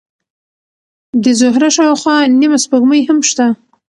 د زهره شاوخوا نیمه سپوږمۍ هم شته.